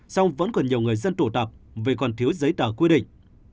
song vẫn còn nhiều người dân tụ tập vì còn thiếu giấy tờ quy định